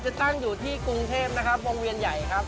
จะตั้งอยู่ที่กรุงเทพนะครับวงเวียนใหญ่ครับ